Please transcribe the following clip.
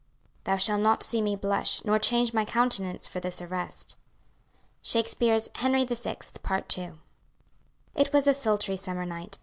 Thou shall not see me blush, Nor change my countenance for this arrest. SHAKESPEARE'S "HENRY VI.," PART II. It was a sultry summer night.